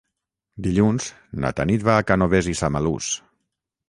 Dilluns na Tanit va a Cànoves i Samalús.